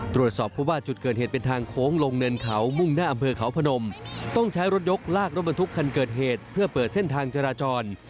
ตรวจสอบเพราะว่าจุดเกิดเหตุเป็นทางโค้งลงเนินเขามุ่งหน้าอำเภอเขาพนมต้องใช้รถยกลากรถบรรทุกคันเกิดเหตุเพื่อเปิดเส้นทางจราจร